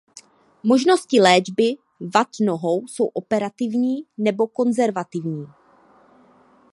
Možnosti léčby vad nohou jsou operativní nebo konzervativní.